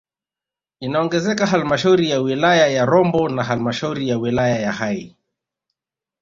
Inaongezeka halmashauri ya wilaya ya Rombo na halmashauri ya wilaya ya Hai